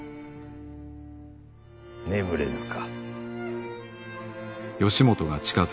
眠れぬか。